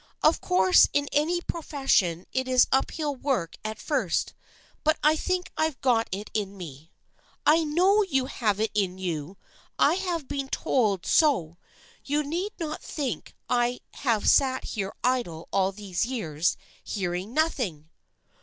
" Of course in any profession it is uphill work at first, but I think I've got it in me." " I know you have it in you ! I have been told so. You need not think I have sat here idle all these years hearing nothing